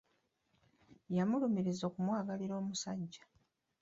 Yamulumiriza okumwagalira omusajja.